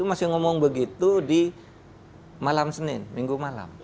masih ngomong begitu di malam senin minggu malam